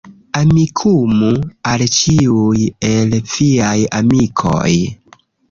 Amikumu al ĉiuj el viaj amikoj